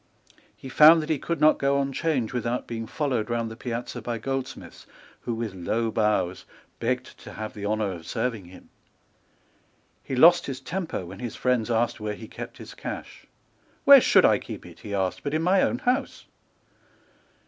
He found that he could not go on Change without being followed round the piazza by goldsmiths, who, with low bows, begged to have the honour of serving him. He lost his temper when his friends asked where he kept his cash. "Where should I keep it," he asked, "but in my own house?"